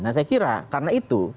nah saya kira karena itu